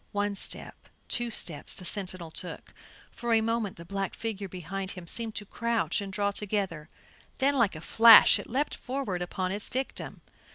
One step, two steps the sentinel took; for a moment the black figure behind him seemed to crouch and draw together, then like a flash it leaped forward upon its victim.